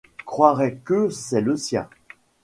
croirait que c'est le sien.